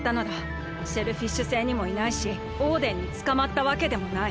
シェルフィッシュ星にもいないしオーデンにつかまったわけでもない。